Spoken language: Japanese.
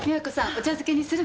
お茶漬けにする？